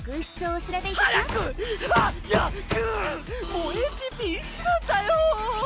もうＨＰ１なんだよ！